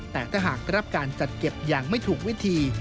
แต่ถ้าหากรับการจัดเก็บอย่างไม่ถูกวิธี